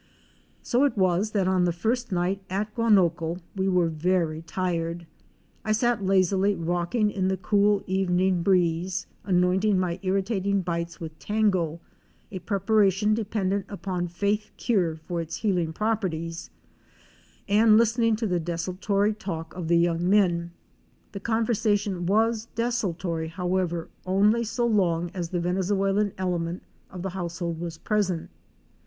So it was that on that first night at Guanoco we were very tired. I sat lazily rocking in the cool evening breeze, annointing my irritating bites with Tango, a preparation dependent upon faith cure for its healing properties — and listening to the desultory talk of the young men. The con versation was desultory, however, only so long as the Venezue lan element of the household was present.